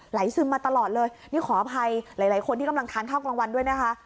ซึมมาตลอดเลยนี่ขออภัยหลายคนที่กำลังทานข้าวกลางวันด้วยนะคะ